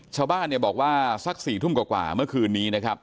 ชาวบ้านเนี่ยบอกว่าสัก๔ทุ่มกว่าเมื่อคืนนี้นะครับ